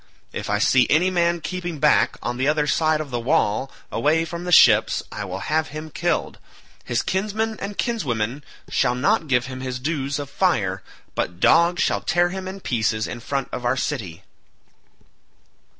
If I see any man keeping back on the other side the wall away from the ships I will have him killed: his kinsmen and kinswomen shall not give him his dues of fire, but dogs shall tear him in pieces in front of our city."